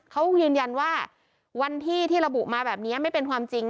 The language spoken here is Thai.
เขายืนยันว่าวันที่ที่ระบุมาแบบนี้ไม่เป็นความจริง